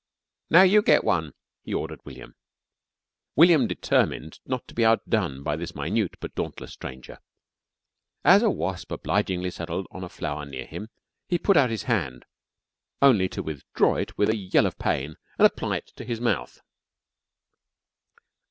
"Now you get one," he ordered William. William determined not to be outshone by this minute but dauntless stranger. As a wasp obligingly settled on a flower near him, he put out his hand, only to withdraw it with a yell of pain and apply it to his mouth.